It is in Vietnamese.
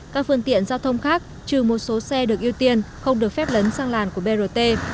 các phương tiện giao thông khác trừ một số xe được ưu tiên không được phép lấn sang làn của brt